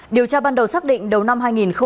điều tra ban đầu xác định đầu năm hai nghìn hai mươi